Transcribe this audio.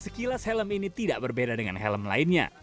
sekilas helm ini tidak berbeda dengan helm lainnya